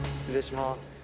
失礼します！